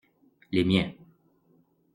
Les miens.